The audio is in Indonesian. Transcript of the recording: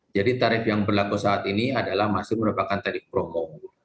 jadi tarif yang berlaku saat ini adalah masih merupakan tarif promo